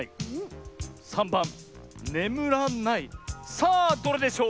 さあどれでしょう？